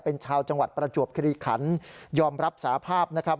เป็นชาวจังหวัดประจวบคิริขันยอมรับสาภาพนะครับ